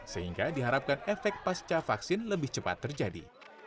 sehingga diharapkan efek pasca vaksin lebih cepat terjadi